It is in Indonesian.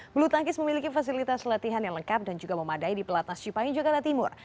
belutangkis memiliki fasilitas latihan yang lengkap dan juga memadai di pelatnas cipayung yogyakarta timur